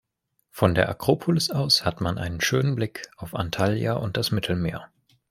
Von der Akropolis aus hat man einen schönen Blick auf Antalya und das Mittelmeer.